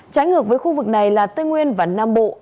trái ngược với khu vực này là tây nguyên và nam bộ